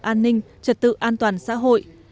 an ninh trật tự an toàn xã hội